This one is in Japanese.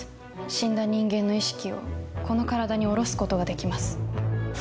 死んだ人間の意識をこの体に降ろすことができます。